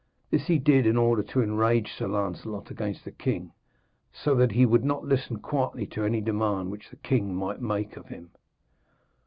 This he did in order to enrage Sir Lancelot against the king, so that he would not listen quietly to any demand which the king might make of him.